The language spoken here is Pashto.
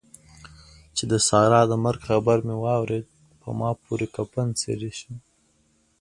چې د سارا د مرګ خبر مې واورېد؛ په ما پورې کفن څيرې شو.